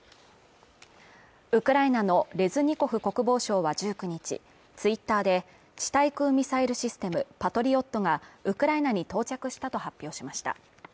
ウクライナのレズニコフ国防相は１９日、ツイッターで地対空ミサイルシステムパトリオットがウクライナに到着したと発表しました。